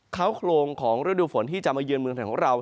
เขาโครงของฤดูฝนที่จะมาเยือนเมืองไทยของเรา